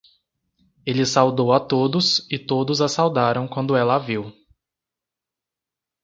Ele saudou a todos e todos a saudaram quando ela a viu.